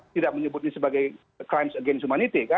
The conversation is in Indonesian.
tidak menyebut ini sebagai crimes against humanity